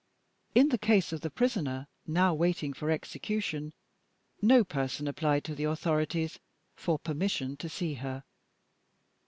In the case of the Prisoner now waiting for execution, no person applied to the authorities for permission to see her.